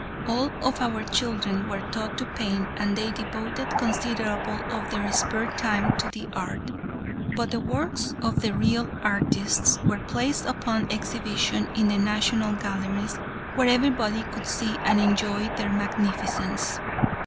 All of our children were taught to paint and they devoted considerable of their spare time to the art, but the works of the real artists were placed upon exhibition in the national galleries where everybody could see and enjoy their magnificence."